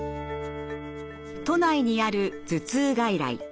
都内にある頭痛外来。